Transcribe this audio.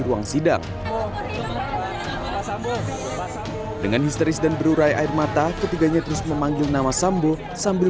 ruang sidang dengan histeris dan berurai air mata ketiganya terus memanggil nama sambo sambil